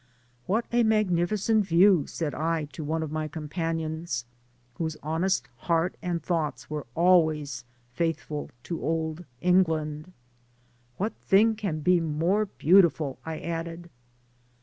" What a magnificent view !" said I to one of my companions, whose honest heart and thoughts were always faithful to Old England. "What thing can be more beautiful?'^ I added.